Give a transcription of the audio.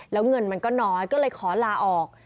แล้วเงินมันก็น้อยก็เลยขอลาออก